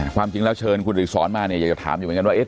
ความจริงแล้วเชิญคุณอริสรมาเนี่ยอยากจะถามอยู่เหมือนกันว่า